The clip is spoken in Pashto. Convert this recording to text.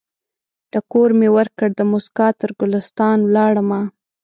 ټکور مې ورکړ، دموسکا تر ګلستان ولاړمه